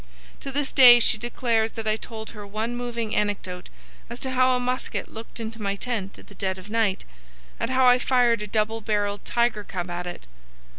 To this day she declares that I told her one moving anecdote as to how a musket looked into my tent at the dead of night, and how I fired a double barrelled tiger cub at it.